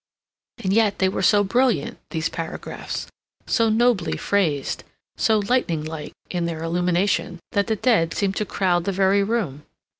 And yet they were so brilliant, these paragraphs, so nobly phrased, so lightning like in their illumination, that the dead seemed to crowd the very room.